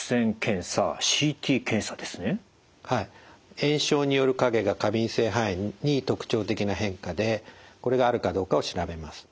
炎症による影が過敏性肺炎に特徴的な変化でこれがあるかどうかを調べます。